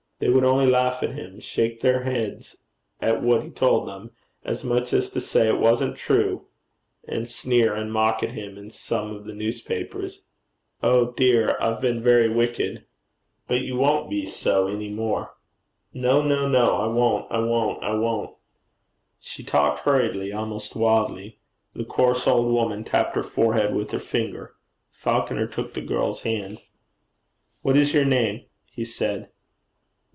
They would only laugh at him, shake their heads at what he told them, as much as to say it wasn't true, and sneer and mock at him in some of the newspapers.' 'Oh dear! I've been very wicked.' 'But you won't be so any more.' 'No, no, no. I won't, I won't, I won't.' She talked hurriedly, almost wildly. The coarse old woman tapped her forehead with her finger. Falconer took the girl's hand. 'What is your name?' he said.